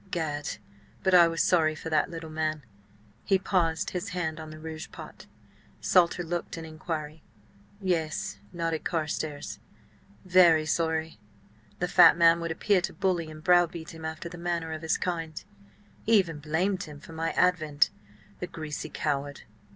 Gad! but I was sorry for that little man!" He paused, his hand on the rouge pot. Salter looked an inquiry. "Yes," nodded Carstares. "Very sorry. The fat man would appear to bully and browbeat him after the manner of his kind; he even blamed him for my advent, the greasy coward!